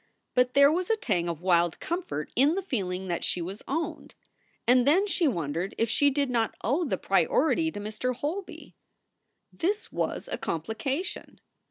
But there was a tang of wild comfort in the feeling that she was owned. And then she wondered if she did not owe the priority to Mr. Holby. This was a complication